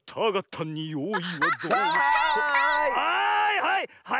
はいはい！